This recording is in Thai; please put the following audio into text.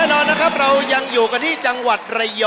แน่นอนนะครับเรายังอยู่กันที่จังหวัดระยอง